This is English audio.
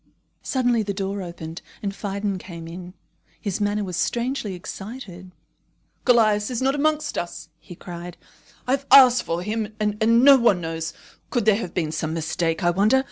Suddenly the door opened, and Phidon came in. His manner was strangely excited. "Callias is not amongst us," he cried. "I have asked for him, and no one knows. Could there have been some mistake, I wonder?